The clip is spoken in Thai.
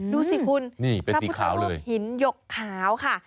ดูสิคุณพระพุทธรูปหินหยกขาวค่ะ